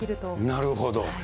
なるほど。